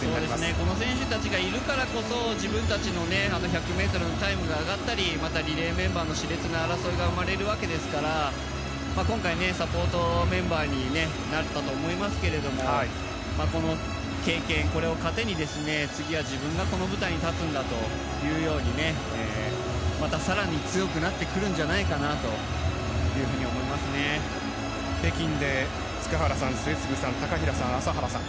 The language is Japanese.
この選手たちがいるからこそ、自分たちの１００ｍのタイムが上がったりまたリレーメンバーの熾烈な争いが生まれるわけですから今回サポートメンバーになったと思いますけれどもこの経験、これを糧に次は自分がこの舞台に立つんだとまた更に強くなってくるんじゃないかと北京で塚原さん、末續さん高平さん、朝原さん。